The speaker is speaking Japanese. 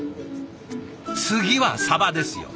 次はサバですよ。